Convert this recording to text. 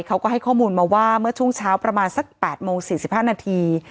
เขาก็ให้ข้อมูลมาว่าเมื่อช่วงเช้าประมาณสัก๘โมง๔๕นาที